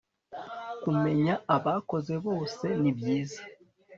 kumenya abakoze boseni byiza